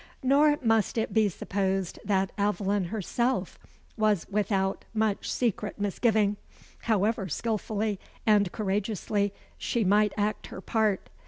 Nor must it be supposed that Aveline herself was without much secret misgiving, however skilfully and courageously she might act her part.